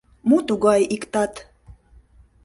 Мо тугае ик тат?..